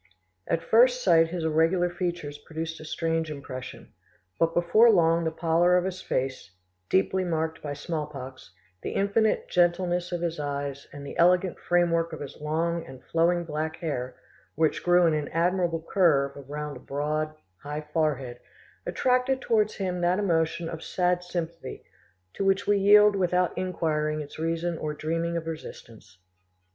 At first sight his irregular features produced a strange impression; but before long the pallor of his face, deeply marked by smallpox, the infinite gentleness of his eyes, and the elegant framework of his long and flowing black hair, which grew in an admirable curve around a broad, high forehead, attracted towards him that emotion of sad sympathy to which we yield without inquiring its reason or dreaming of resistance.